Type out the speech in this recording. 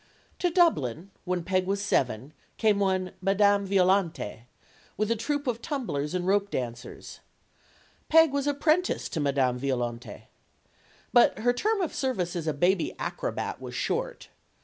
PEG WOFFINGTON 43 To Dublin, when Peg was seven, came one Madame Violante, with a troupe of tumblers and rope dancers. Peg was apprenticed to Madame Violante. But her term of service as a baby acrobat was short.